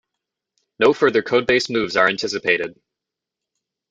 No further codebase moves are anticipated.